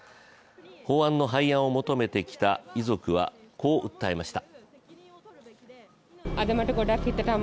法案の廃案を求めてきた遺族は、こう訴えました。